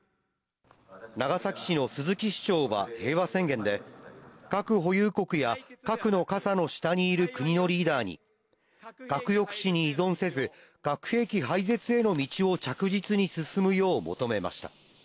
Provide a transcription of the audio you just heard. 長崎市の鈴木市長は、平和宣言で、核保有国や核の傘の下にいる国のリーダーに、核抑止に依存せず、核兵器廃絶への道を着実に進むよう求めました。